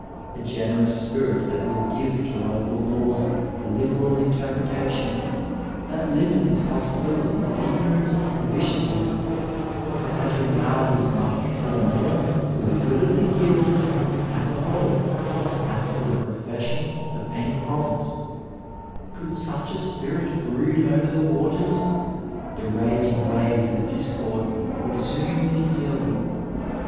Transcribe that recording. A generous spirit that will give to local laws a liberal interpretation, that limits its hostility to ignorance and viciousness, that has regard as much or more for the good of the guild as a whole as for the profession of any province— could such a spirit brood over the waters, the raging waves of discord would soon be stilled.